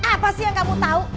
apa sih yang kamu tahu